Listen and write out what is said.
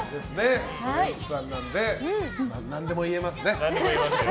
ウエンツさんなので何でも言えますね。